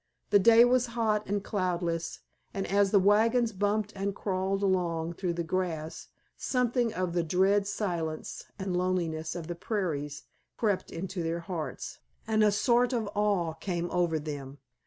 The day was hot and cloudless, and as the wagons bumped and crawled along through the grass something of the dread silence and loneliness of the prairies crept into their hearts, and a sort of awe came over them.